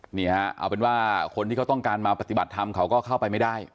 นี่ฮะเอาเป็นว่าคนที่เขาต้องการมาปฏิบัติธรรมเขาก็เข้าไปไม่ได้